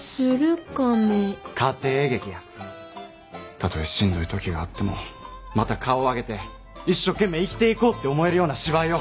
たとえしんどい時があってもまた顔上げて一生懸命生きていこうって思えるような芝居を。